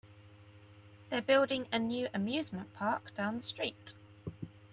They're building a new amusement park down the street.